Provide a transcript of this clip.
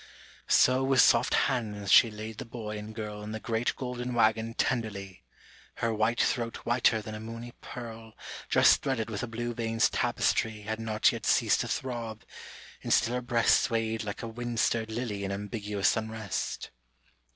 ^ So with soft hands she laid the boy and girl In the great golden wagon tenderly, Her white throat whiter than a moony pearl Just threaded with a blue vein's tapestry Had not yet ceased to throb, and still her breast Swayed like a wind stirred lily in ambiguous unrest.